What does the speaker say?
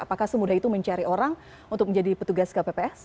apakah semudah itu mencari orang untuk menjadi petugas kpps